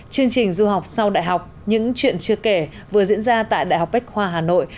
chương trình du học sau đại học những chuyện chưa kể vừa diễn ra tại đại học bách khoa hà nội